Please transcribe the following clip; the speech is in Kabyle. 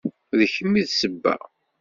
D kemm i d sebba.